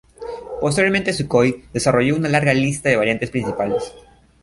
Posteriormente Sukhoi desarrolló una larga lista de variantes principales.